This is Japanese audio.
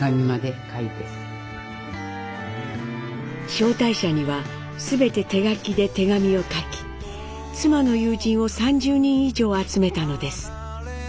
招待者には全て手書きで手紙を書き妻の友人を３０人以上集めたのです。